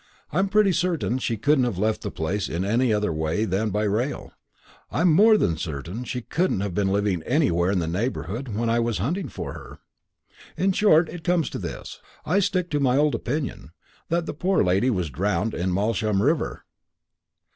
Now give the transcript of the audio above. I'm pretty certain she couldn't have left the place any other way than by rail; I'm more than certain she couldn't have been living anywhere in the neighbourhood when I was hunting for her. In short, it comes to this I stick to my old opinion, that the poor lady was drowned in Malsham river."